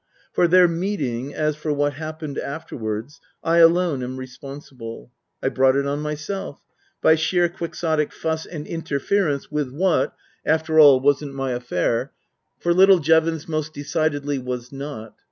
For their meeting, as for what happened afterwards, I alone am responsible. I brought it on myself. By sheer quixotic fuss and interference with what, after 22 Tasker Jevons all, wasn't my affair. For little Jevons most decidedly was not.